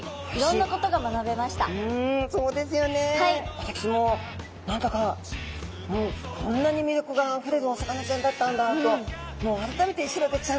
私も何だかもうこんなに魅力があふれるお魚ちゃんだったんだともうあらためてシログチちゃん